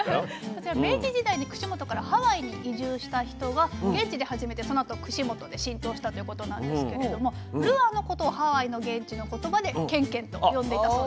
こちら明治時代に串本からハワイに移住した人が現地で始めてそのあと串本で浸透したということなんですけれどもルアーのことをハワイの現地の言葉で「ケンケン」と呼んでいたそうです。